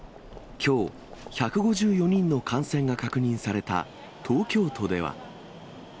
きょう、１５４人の感染が確認された東京都では。